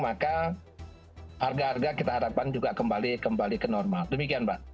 maka harga harga kita harapkan juga kembali ke normal demikian mbak